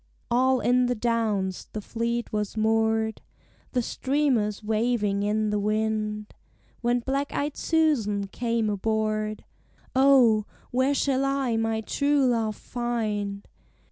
All in the Downs the fleet was moored, The streamers waving in the wind, When black eyed Susan came aboard; "O, where shall I my true love find?